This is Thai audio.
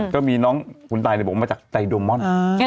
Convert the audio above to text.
ก็มีน้องคุณไตมาจากไตโดมอน